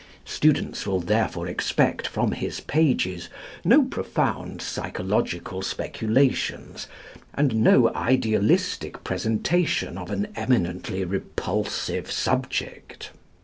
Students will therefore expect from his pages no profound psychological speculations and no idealistic presentation of an eminently repulsive subject.